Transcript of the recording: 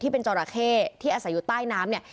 ที่เป็นจอราเคที่อาศัยอยู่ใต้น้ำ